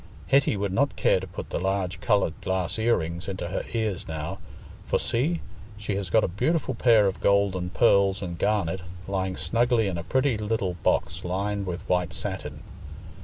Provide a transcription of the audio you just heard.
Hetty would not care to put the large coloured glass ear rings into her ears now; for see! she has got a beautiful pair of gold and pearls and garnet, lying snugly in a pretty little box lined with white satin.